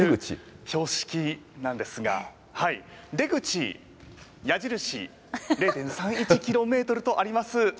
標識なんですが、出口、矢印、０．３１キロメートルとあります。